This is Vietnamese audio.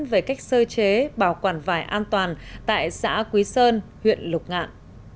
về cách sơ chế bảo quản vải an toàn tại xã quý sơn huyện lục ngạn